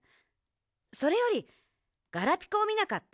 それよりガラピコをみなかった？